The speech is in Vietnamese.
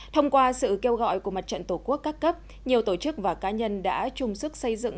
thông qua sự kêu gọi của mặt trận tổ quốc các cấp nhiều tổ chức và cá nhân đã chung sức xây dựng